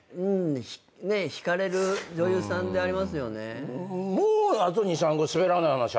引かれる女優さんでありますよね。